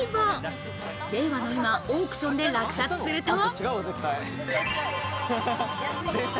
令和の今、オークションで落札すると。